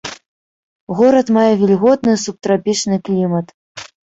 Горад мае вільготны субтрапічны клімат.